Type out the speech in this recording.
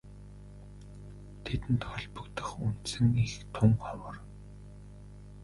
Тэдэнд холбогдох үндсэн эх тун ховор.